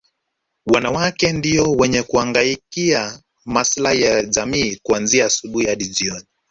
Wanawake ndio wenye kuhangaikia maslahi ya jamii kuanzia asubuhi hadi jioni